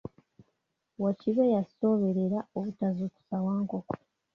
Wakibe yasooberera obutazuukusa Wankoko.